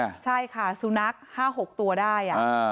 อ๋อคันนี้ใช่ค่ะสุนัขห้าหกตัวได้อ่ะอ่า